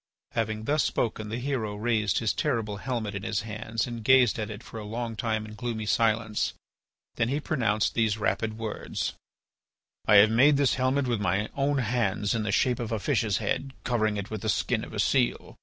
Having thus spoken the hero raised his terrible helmet in his hands and gazed at it for a long time in gloomy silence. Then he pronounced these rapid words: "I have made this helmet with my own hands in the shape of a fish's head, covering it with the skin of a seal.